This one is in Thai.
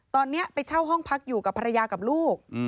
ตอนนี้ไปเช่าห้องพักอยู่กับภรรยากับลูก